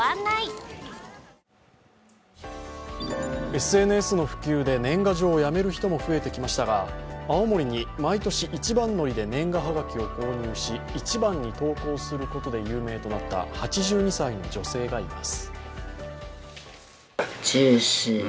ＳＮＳの普及で年賀状をやめる人も増えてきましたが、青森に毎年一番乗りで年賀はがきを購入し、一番に投かんすることで有名となった８２歳の女性がいます。